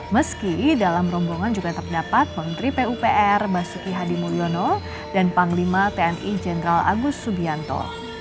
meski dalam rombongan juga terdapat menteri pupr basuki hadi mulyono dan panglima tni jenderal agus subianto